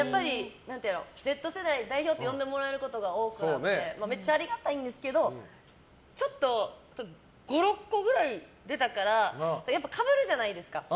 Ｚ世代代表って呼んでもらえることが多くなってめっちゃありがたいんですけどちょっと５６個ぐらい出たからやっぱかぶるじゃないですか。